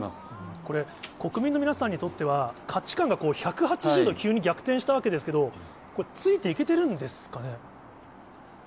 これ、国民の皆さんにとっては、価値観が１８０度急に逆転したわけですけれども、ついていけてるんですかね。